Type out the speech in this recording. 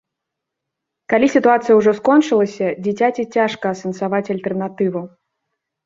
Калі сітуацыя ўжо скончылася, дзіцяці цяжка асэнсаваць альтэрнатыву.